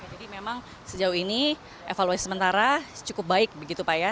jadi memang sejauh ini evaluasi sementara cukup baik begitu pak ya